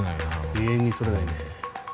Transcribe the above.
永遠に取れないね。